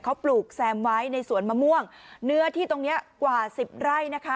เขาปลูกแซมไว้ในสวนมะม่วงเนื้อที่ตรงเนี้ยกว่าสิบไร่นะคะ